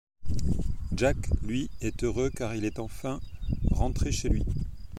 Jak, lui, est heureux car il est enfin rentré chez lui.